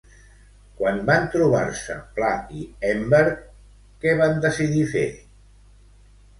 Quan van trobar-se Pla i Enberg, què van decidir fer?